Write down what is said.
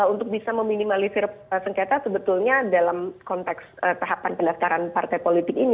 untuk bisa meminimalisir sengketa sebetulnya dalam konteks tahapan pendaftaran partai politik ini